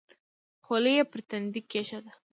خولۍ یې پر تندي کېښوده.